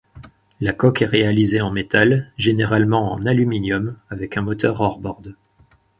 La coque est réalisée en métal, généralement en aluminium, avec un moteur hors-bord.